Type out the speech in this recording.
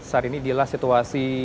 saat ini adalah situasi